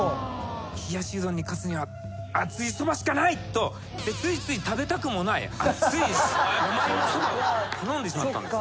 冷やしうどんに勝つには熱いそばしかないとついつい食べたくもない熱い山芋そばを頼んでしまったんです。